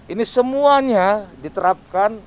ini semuanya diterapkan